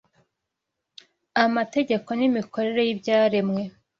Amategeko n’imikorere y’ibyaremwe